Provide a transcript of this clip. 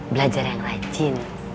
belajar yang rajin